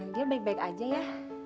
dia baik baik aja ya